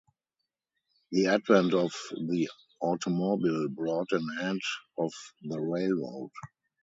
The advent of the automobile brought an end of the railroad.